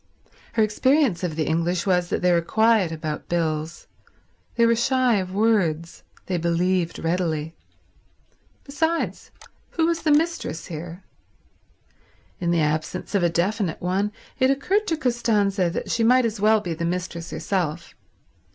Her experience of the English was that they were quiet about bills. They were shy of words. They believed readily. Besides, who was the mistress here? In the absence of a definite one, it occurred to Costanza that she might as well be the mistress herself.